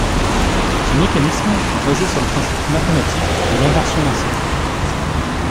Ce mécanisme est basé sur le principe mathématique de l'inversion d'un cercle.